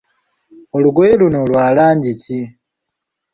Olugoye luno lwa langi ki?